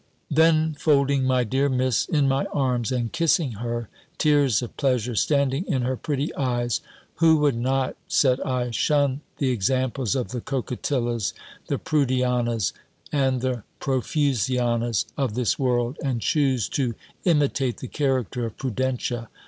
Then folding my dear Miss in my arms, and kissing her, tears of pleasure standing in her pretty eyes, "Who would not," said I, "shun the examples of the Coquetilla's, the Prudiana's, and the Profusiana's of this world, and choose to' imitate the character of Prudentia!